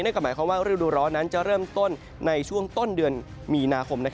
ก็หมายความว่าฤดูร้อนนั้นจะเริ่มต้นในช่วงต้นเดือนมีนาคม